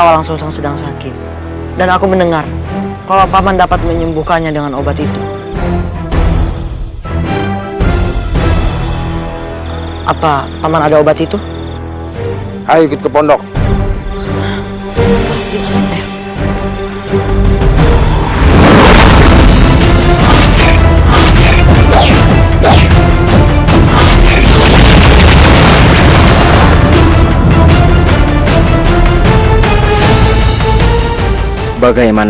lalu dimana tempatnya pak man